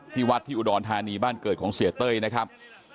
วัดที่อุดรธานีบ้านเกิดของเสียเต้ยนะครับ